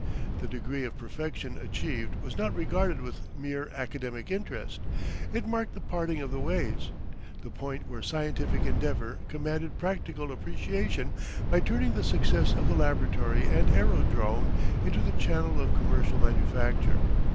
The degree of perfection achieved was not regarded with mere academic interest; it marked the parting of the ways: the point where scientific endeavour commanded practical appreciation by turning the success of the laboratory and aerodrome into the channel of commercial manufacture.